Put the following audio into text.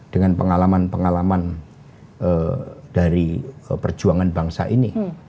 dengan pengalaman pengalaman dari perjuangan bangsa ini